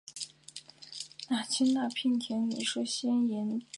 而克拉约瓦也是布加勒斯特西边的主要商业城市。